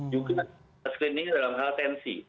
juga screening dalam hal tensi